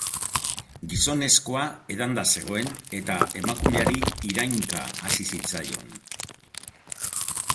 Gizonezkoa edanda zegoen eta emakumeari irainka hasi zitzaion.